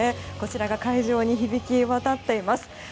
こちらが会場に響き渡っています。